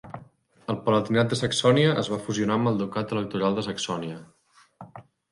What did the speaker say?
El palatinat de Saxònia es va fusionar amb el ducat electoral de Saxònia.